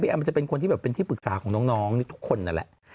พี่แอมมันจะเป็นคนที่เป็นที่ปรึกษาของน้องนี่ทุกคนนั่นแหละ